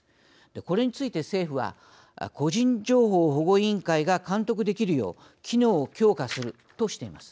これについて政府は個人情報保護委員会が監督できるよう機能を強化するとしています。